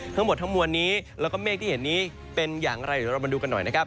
ทั้งหมดทั้งมวลนี้แล้วก็เมฆที่เห็นนี้เป็นอย่างไรเดี๋ยวเรามาดูกันหน่อยนะครับ